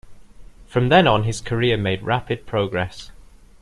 From then on, his career made rapid progress.